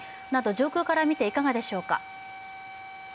上空から見ていかがでしょうか。